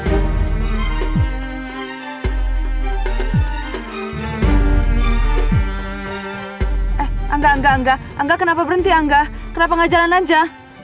eh enggak enggak enggak kenapa berhenti enggak kenapa gak jalan aja